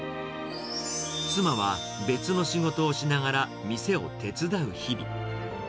妻は別の仕事をしながら、店を手伝う日々。